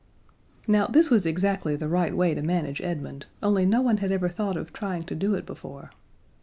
Now this was exactly the right way to manage Edmund, only no one had ever thought of trying to do it before.